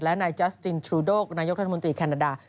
และนายจัสตินทรูโดกนายกรัฐมนตรีแคนาดา